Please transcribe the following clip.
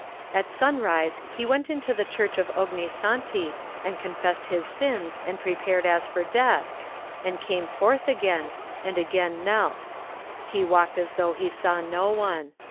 At sunrise he went into the church of Ogni Santi and confessed his sins and prepared as for death, and came forth again, and again knelt. He walked as though he saw no one.